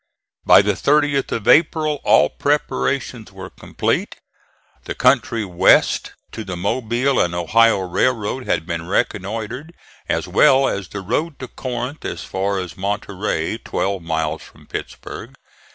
By the 30th of April all preparations were complete; the country west to the Mobile and Ohio railroad had been reconnoitred, as well as the road to Corinth as far as Monterey twelve miles from Pittsburg.